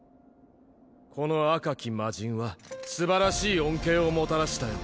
この赤き魔神はすばらしい恩恵をもたらしたよ。